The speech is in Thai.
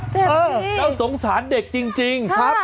เจ็บสิจ้าวสงสารเด็กจริงกลับครับ